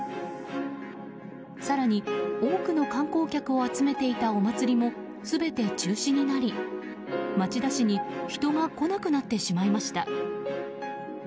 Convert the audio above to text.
更に多くの観光客を集めていたお祭りも全て中止になり町田市に人が来なくなってしまいました。